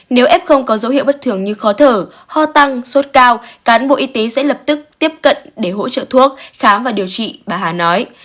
nếu f không có dấu hiệu bất thường như khó thở ho tăng sốt cao cán bộ y tế sẽ lập tức tiếp cận để hỗ trợ thuốc khám và điều trị bà hà nói